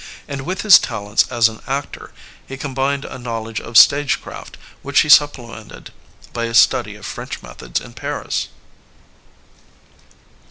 And with his talents as an actor he combined a knowl edge of stage craft which he supplemented by a study of French methods in Paris.